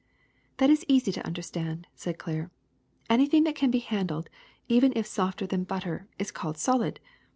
^* That is easy to understand, '' said Claire. '' Any thing that can be handled, even if softer than butter, is called solid.